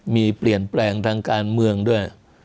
มีเปลี่ยนแปลงทางการเมืองด้วย